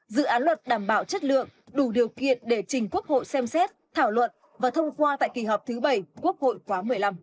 dự án luật đảm bảo chất lượng đủ điều kiện để trình quốc hội xem xét thảo luận và thông qua tại kỳ họp thứ bảy quốc hội quá một mươi năm